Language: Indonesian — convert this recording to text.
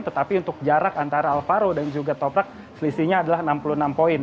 tetapi untuk jarak antara alvaro dan juga toprak selisihnya adalah enam puluh enam poin